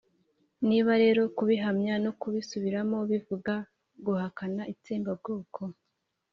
niba rero kubihamya no kubisubiramo bivuga guhakana itsembabwoko,